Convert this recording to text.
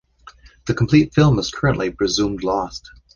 The complete film is currently presumed lost.